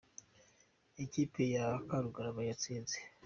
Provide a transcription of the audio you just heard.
Ikipe ya Karugarama yatsinze